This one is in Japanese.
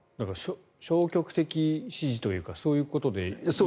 消極的支持というかそういうことでいいんですかね。